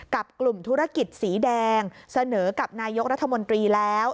กับกลุ่มธุรกิจสีแดงเสนอกับนายกรัฐมนตรีแล้ว